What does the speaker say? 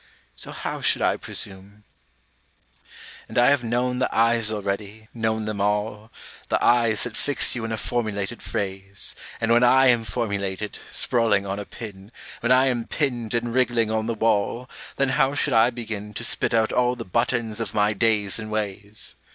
So how should I presume? And I have known the eyes already, known them all The eyes that fix you in a formulated phrase, And when I am formulated, sprawling on a pin, When I am pinned and wriggling on the wall, Then how should I begin To spit out all the butt ends of my days and ways?